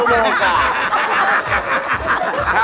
ซ้อมไม่ดีก็ไม่ต่อยเอา